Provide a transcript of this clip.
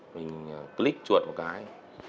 mình click chuột một cái